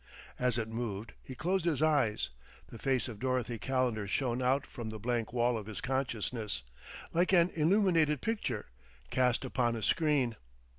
As it moved, he closed his eyes; the face of Dorothy Calendar shone out from the blank wall of his consciousness, like an illuminated picture cast upon a screen.